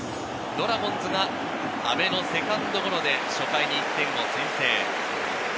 ドラゴンズが阿部のセカンドゴロで初回に１点を先制。